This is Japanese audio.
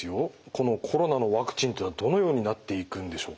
このコロナのワクチンってのはどのようになっていくんでしょうか？